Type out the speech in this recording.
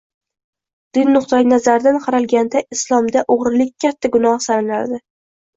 Din nuqtai nazaridan qaralganda, Islomda o‘g‘rilik katta gunoh sanaladi.